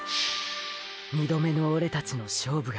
２度目のオレたちの勝負が。